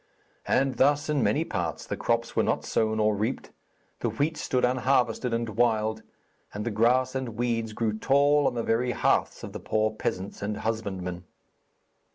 And thus in many parts the crops were not sown or reaped, the wheat stood unharvested and wild, and the grass and weeds grew tall on the very hearths of the poor peasants and husbandmen.